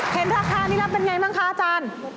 เพนทราคานิรับเป็นอย่างไรบ้างคะอาจารย์